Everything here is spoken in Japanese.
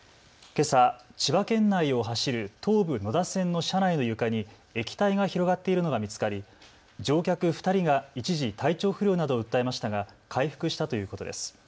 けさ、千葉県内を走る東武野田線の車内の床に液体が広がっているのが見つかり乗客２人が一時、体調不良などを訴えましたが回復したということです。